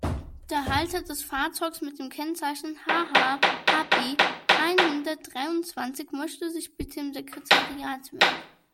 Der Halter des Fahrzeugs mit dem Kennzeichen HH-AB-einhundertdreiundzwanzig möchte sich bitte im Sekretariat melden.